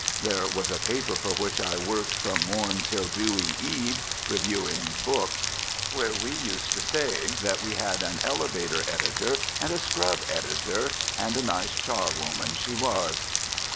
There was a paper for which I worked from morn till dewy eve, reviewing hooks, where we used to say that we had an elevator editor and a scrub editor, and a nice charwoman she was.